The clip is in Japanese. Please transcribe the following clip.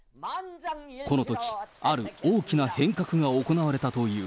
このとき、ある大きな変革が行われたという。